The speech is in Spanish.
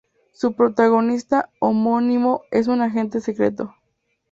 Su protagonista homónimo es un agente secreto.